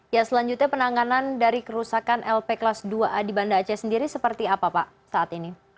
ya selanjutnya penanganan dari kerusakan lp kelas dua a di banda aceh sendiri seperti apa pak saat ini